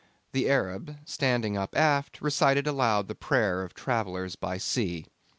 The Arab, standing up aft, recited aloud the prayer of travellers by sea.